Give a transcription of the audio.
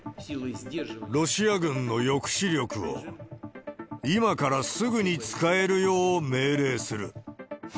ロシア軍の抑止力を今からすぐに使えるよう命令する。